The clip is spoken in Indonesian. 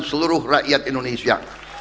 seluruh rakyat indonesia